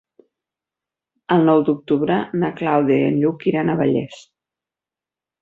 El nou d'octubre na Clàudia i en Lluc iran a Vallés.